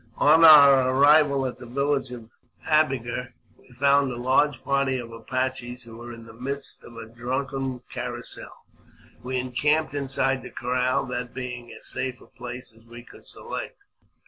On our arrival at the village of Abbeger, we found a large party of Apaches, who were in the midst of a drunken carousal. We encamped inside the corral, that being as safe a place as we could select.